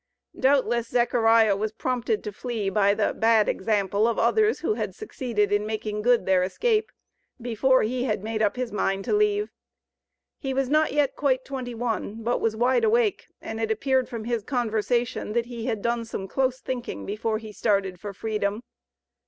Doubtless Zechariah was prompted to flee by the "bad" example of others who had succeeded in making good their escape, before he had made up his mind to leave. He was not yet quite twenty one, but was wide awake, and it appeared from his conversation, that he had done some close thinking before he started for freedom.